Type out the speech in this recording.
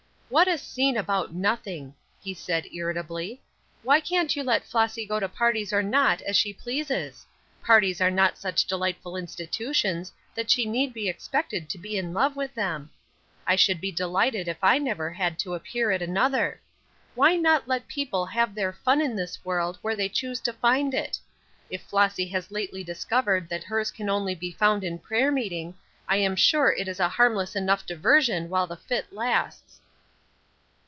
"What a scene about nothing," he said, irritably. "Why can't you let Flossy go to parties or not, as she pleases? Parties are not such delightful institutions that she need be expected to be in love with them. I should be delighted if I never had to appear at another. Why not let people have their fun in this world where they choose to find it? If Flossy has lately discovered that hers can only be found in prayer meeting, I am sure it is a harmless enough diversion while the fit lasts."